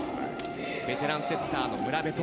ベテランセッターのムラベト。